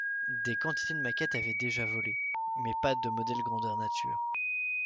Des quantités de maquettes avaient déjà volé, mais pas de modèle grandeur nature.